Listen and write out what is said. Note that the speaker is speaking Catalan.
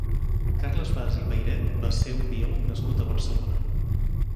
Carles Bas i Peired va ser un biòleg nascut a Barcelona.